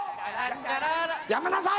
やめなさい！